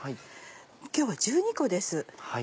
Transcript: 今日は１２個です。